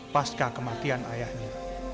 pasca kematian ayahnya